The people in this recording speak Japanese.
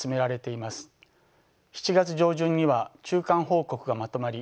７月上旬には中間報告がまとまり